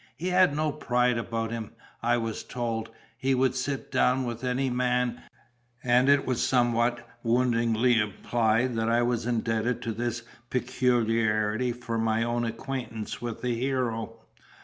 He had no pride about him, I was told; he would sit down with any man; and it was somewhat woundingly implied that I was indebted to this peculiarity for my own acquaintance with the hero.